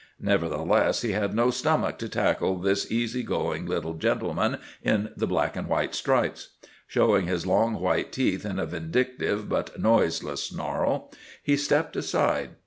Nevertheless, he had no stomach to tackle this easy going little gentleman in the black and white stripes. Showing his long white teeth in a vindictive but noiseless snarl, he stepped aside.